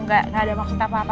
nggak ada maksud apa apa